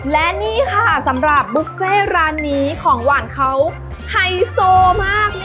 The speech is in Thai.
และนี่ค่ะสำหรับบุฟเฟ่ร้านนี้ของหวานเขาไฮโซมาก